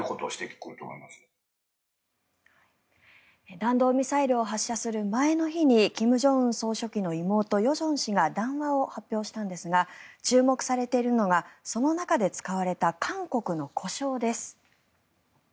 弾道ミサイルを発射する前の日に金正恩総書記の妹・与正氏が談話を発表したんですが注目されているのがその中で使われた韓国の呼称です。